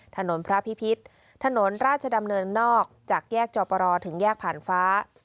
ถนนพระพิพิษถนนราชดำเนินนอกจากแยกจอปรถึงแยกผ่านฟ้า